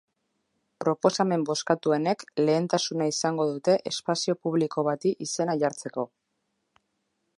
Proposamen bozkatuenek lehentasuna izango dute espazio publiko bati izena jartzeko.